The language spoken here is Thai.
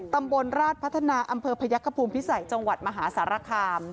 ตำบลราชพัฒนาอำเภอพยักษภูมิพิสัยจังหวัดมหาสารคาม